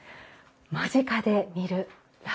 間近で見る螺鈿。